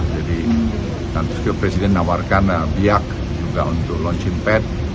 jadi kemudian presiden menawarkan biak juga untuk launching pad